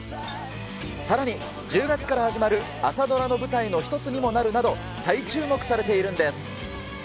さらに、１０月から始まる朝ドラの舞台の一つにもなるなど、再注目されているんです。